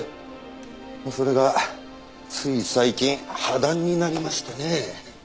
それがつい最近破談になりましてね。